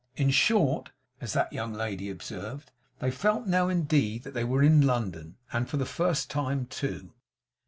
'In short,' as that young lady observed, 'they felt now, indeed, that they were in London, and for the first time too.